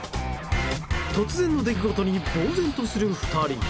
突然の出来事に呆然とする２人。